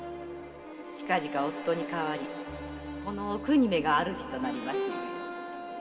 〔近々夫に替わりこのお邦めが主となりますゆえ〕